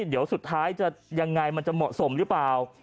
เดี๋ยวสุดท้ายจะยังไงมันจะเหมาะสมหรือเปล่า